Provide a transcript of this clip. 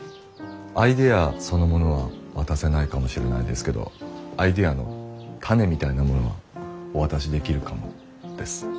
アイデアそのものは渡せないかもしれないですけどアイデアの種みたいなものはお渡しできるかもです。